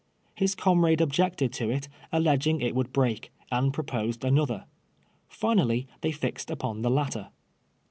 His comrade objected to it, alleging it would break, and proposed another. Finally they fixed up on the latter.